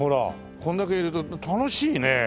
こんだけいると楽しいね。